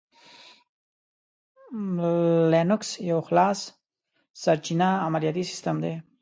لینوکس یو خلاصسرچینه عملیاتي سیسټم دی.